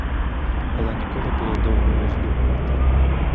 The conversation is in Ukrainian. Але ніколи було довго роздумувати.